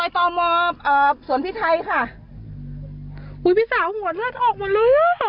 ต่อมอสวนพิทัยค่ะอุ้ยพี่สาวหัวเลือดออกหมดเลยอ่ะ